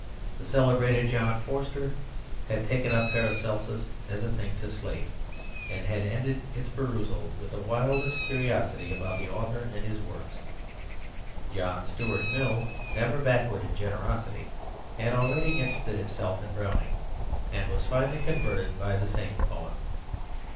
The celebrated John Forster had taken up Paracelsus "as a thing to slate," and had ended its perusal with the wildest curiosity about the author and his works. John Stuart Mill, never backward in generosity, had already interested himself in Browning, and was finally converted by the same poem.